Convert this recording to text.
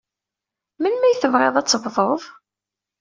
Melmi ay tebɣiḍ ad tebduḍ?